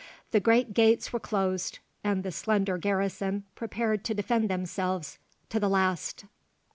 The great gates were closed, and the slender garrison prepared to defend themselves to the last.